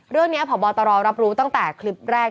เรื่องนี้ผ่อบอตรรับรู้ตั้งแต่คลิปแรก